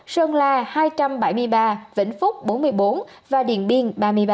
sơn la hai trăm bảy mươi ba vĩnh phúc bốn mươi bốn và điện biên ba mươi ba